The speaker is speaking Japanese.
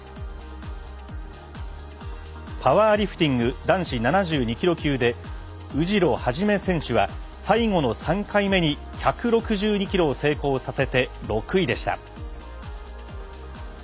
パワーリフティング男子７２キロ級で宇城元選手は最後の３回目に１６２キロを成功させて６位でした。